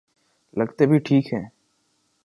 لگتے بھی ٹھیک ہیں۔